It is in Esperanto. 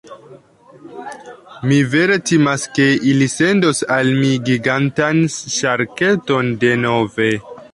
Mi vere timas ke ili sendos al mi gigantan ŝarketon denove.